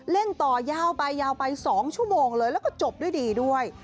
เล่นต่อยาวไปยาวไป๒ชั่วโมงเลยแล้วก็จบด้วยดีด้วย